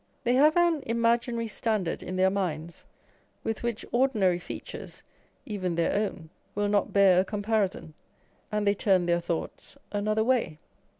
They have an imaginary standard in their minds, with which ordinary features (even their own) will not bear a comparison, and they turn their thoughts another way.